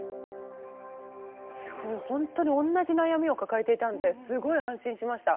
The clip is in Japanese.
すごい本当におんなじ悩みを抱えていたんですごい安心しました。